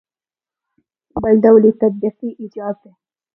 بل ډول یې تطبیقي ایجاد دی.